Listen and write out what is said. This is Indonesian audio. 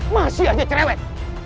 masih aja cerewet